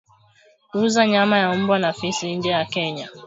Kuuza nyama ya mbwa na fisi nje ya Kenya